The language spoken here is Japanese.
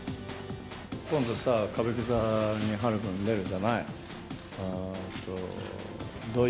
今度さ、歌舞伎座に、陽くんでるじゃない？